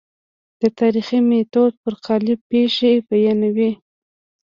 د تاریخي میتود پر قالب پېښې بیانوي.